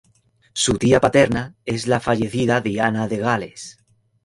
Su tía paterna es la fallecida Diana de Gales.